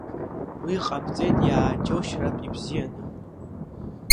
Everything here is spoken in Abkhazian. Уи ҟабҵеит иааџьоушьаратә ибзианы.